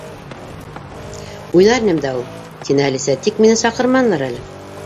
—Уйнар инем дә ул, —тине Әлисә, —тик мине саҡырманылар әле.